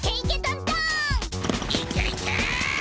いけいけ！